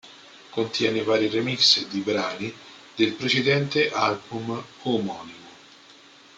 Contiene vari remix di brani del precedente album omonimo.